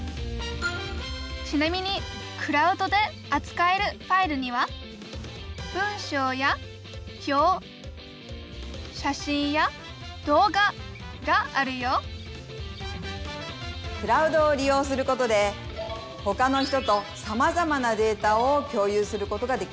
ちなみにクラウドであつかえるファイルには文章や表写真や動画があるよクラウドを利用することでほかの人とさまざまなデータを共有することができます。